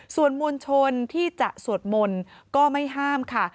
ส่วนมวลชนที่จะสวดมนต์ก็ไม่ห้ามค่ะ